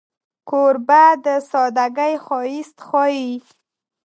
کوربه د سادګۍ ښایست ښيي.